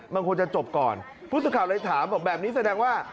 มันควรจะจบก่อนผู้สื่อข่าวเลยถามบอกแบบนี้แสดงว่า